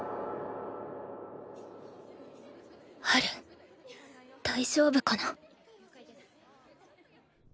ハル大丈夫かな？